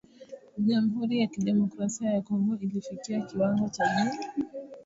jamuhuri ya kidemokrasia ya Kongo ilifikia kiwango cha juu